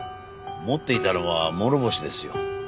持っていたのは諸星ですよ。